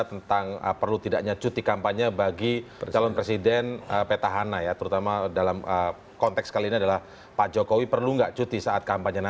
tetap di cnn indonesia prime